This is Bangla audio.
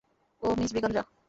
ওহ মিস ব্রিগাঞ্জা।